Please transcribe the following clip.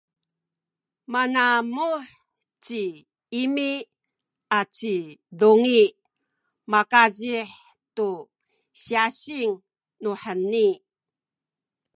manamuh ci Imi aci Dungi makazih tu syasing nuheni.